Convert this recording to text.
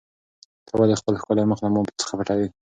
ته ولې خپل ښکلی مخ له ما څخه پټوې؟